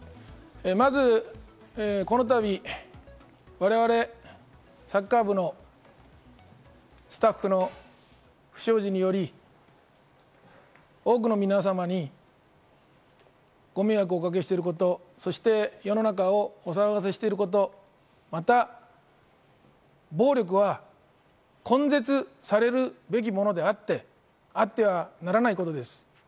まずこの度、我々サッカー部のスタッフの不祥事により、多くのみなさまにご迷惑をおかけしていること、そして世の中をお騒がせしていること、また暴力は根絶されるべきものであって、あってはならないことです。